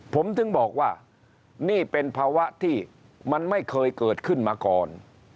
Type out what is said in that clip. ผมถึงบอกว่านี่เป็นภาวะที่มันไม่เคยเกิดขึ้นมาก่อน